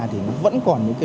thì nó vẫn còn những lợi